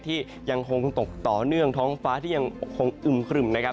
ที่ยังคงตกต่อเนื่องท้องฟ้าที่ยังคงอึมครึ่มนะครับ